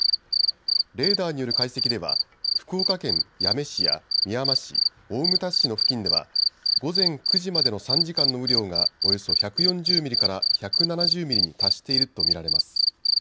レーダーによる解析では福岡県八女市やみやま市、大牟田市の付近では午前９時までの３時間の雨量がおよそ１４０ミリから１７０ミリに達していると見られます。